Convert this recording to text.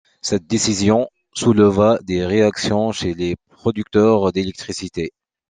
Cette décision souleva des réactions chez les producteurs d'électricité.